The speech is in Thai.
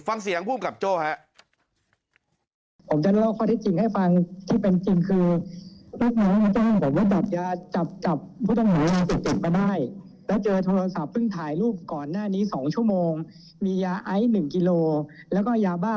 ฟังเสียงผู้อำกับโจ้แฮะ